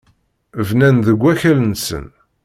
Bnan deg wakal-nsen.